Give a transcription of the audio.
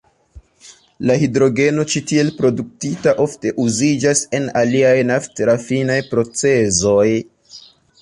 La hidrogeno ĉi tiel produktita ofte uziĝas en aliaj naft-rafinaj procezoj.